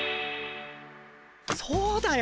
そうだよ。